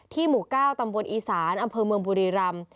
หมู่๙ตำบลอีสานอำเภอเมืองบุรีรำ